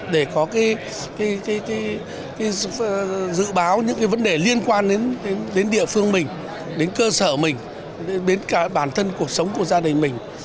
để có dự báo những vấn đề liên quan đến địa phương mình đến cơ sở mình đến bản thân cuộc sống của gia đình mình